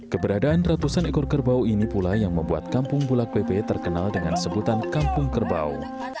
keberadaan ratusan ekor kerbau ini pula yang membuat kampung bulak webe terkenal dengan sebutan kampung kerbau